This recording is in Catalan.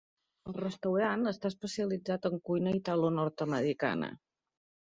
El restaurant està especialitzat en cuina italonord-americana.